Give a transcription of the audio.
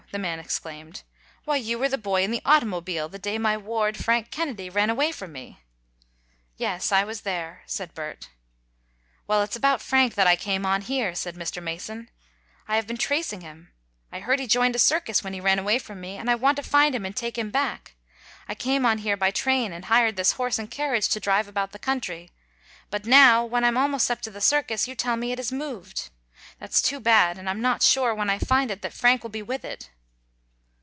the man exclaimed. "Why, you were the boy in the automobile the day my ward, Frank Kennedy, ran away from me." "Yes, I was there," said Bert. "Well, it's about Frank that I came on here," said Mr. Mason. "I have been tracing him. I heard he joined a circus when he ran away from me, and I want to find him and take him back. I came on here by train, and hired this horse and carriage to drive about the country. But now, when I am almost up to the circus, you tell me it has moved. That's too bad, and I'm not sure, when I find it, that Frank will be with it."